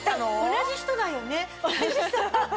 同じ人だよね？